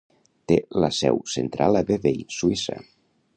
Té la seu central a Vevey, Suïssa.